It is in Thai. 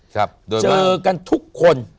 เจอกันทุกคน